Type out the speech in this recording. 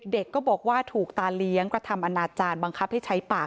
ก็บอกว่าถูกตาเลี้ยงกระทำอนาจารย์บังคับให้ใช้ปาก